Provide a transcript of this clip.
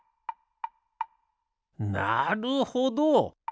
なるほど！